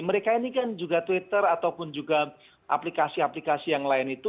mereka ini kan juga twitter ataupun juga aplikasi aplikasi yang lain itu